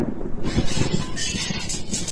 تاسي کولای شئ له مونږ سره اړیکه ونیسئ.